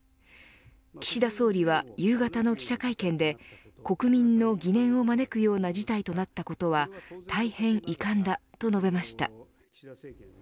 岸田総理は、夕方の記者会見で国民の疑念を招くような事態となったことは大変遺憾だと述べました。